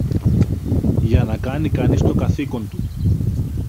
για να κάνει κανείς το καθήκον του.